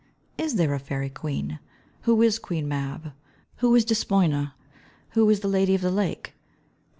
Is there a fairy queen? Who is Queen Mab? Who is Despoina? Who is the Lady of the Lake?